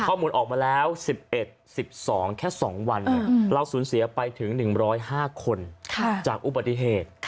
ข้อมูลออกมาแล้ว๑๑๑๒แค่๒วันเราสูญเสียไปถึง๑๐๕คนจากอุบัติเหตุ